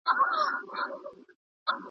که سړی هر څه ناروغ وو